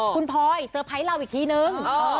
คุณพลอยเซอร์ไพรส์เราอีกทีนึง